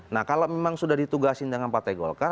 nah kalau memang sudah ditugasin dengan partai golkar